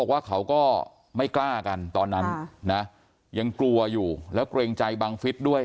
ว่าเขาก็ไม่กล้ากันตอนนั้นนะยังกลัวอยู่แล้วเกรงใจบังฟิศด้วย